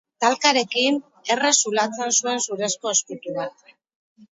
Talkarekin, errez zulatzen zuen zurezko ezkutu bat.